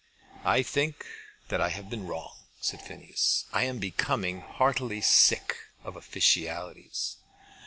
"I think that I have been wrong," said Phineas. "I am becoming heartily sick of officialities."